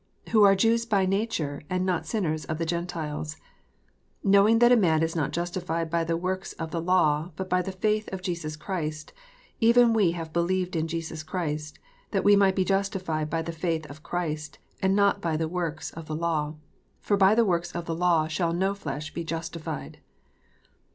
We who are Jews by nature, and not sinners of the Gentiles, "Knowing that a man is not justified by the works of the law, but by the faith of Jesus Christ, even ive have believed in Jesus Christ, that we might be justified by the faith of Christ, and not by the works of the law: for by the works of the law shall no Jlesh be justified.